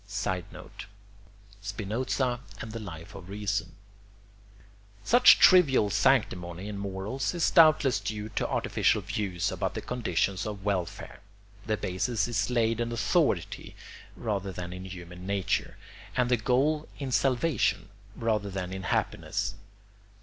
[Sidenote: Spinoza and the Life of Reason.] Such trivial sanctimony in morals is doubtless due to artificial views about the conditions of welfare; the basis is laid in authority rather than in human nature, and the goal in salvation rather than in happiness.